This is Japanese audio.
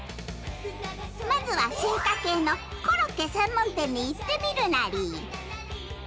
まずは進化系のコロッケ専門店に行ってみるナリ！